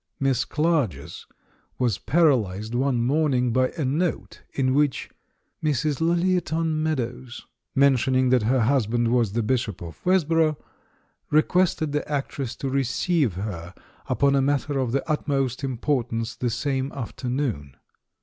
Miss Clarges was paralysed one morning by a note in which "Mrs. Lullieton Meadows," men tioning that her husband was the Bishop of West borough, requested the actress to receive her upon a matter of the utmost importance the same aft ernoon.